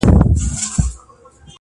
• له غړومبي د تندر ټوله وېرېدله -